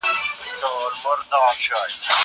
کېدای سي ونه وچه سي!